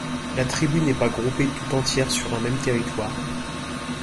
La tribu n'est pas groupée tout entière sur un même territoire.